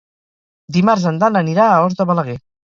Dimarts en Dan anirà a Os de Balaguer.